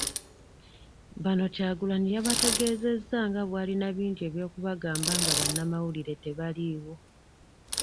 Bano Kyagulanyi yabategeezezza nga bwalina bingi eby'okubagamba nga bannamawulire tebaliiwo.